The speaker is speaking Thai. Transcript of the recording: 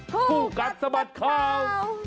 ผู้กัดสมัครข่าว